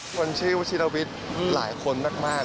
คนชื่อวชิรวิทย์หลายคนมาก